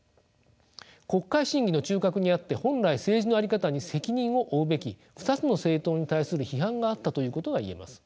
国会審議の中核にあって本来政治の在り方に責任を負うべき２つの政党に対する批判があったということがいえます。